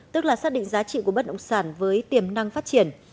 tức là xác định giá trị của bất động sản với tiềm năng phát triển